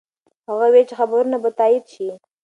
هغه وویل چې خبرونه به تایید شي.